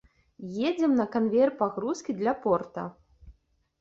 Едзем на канвеер пагрузкі для порта.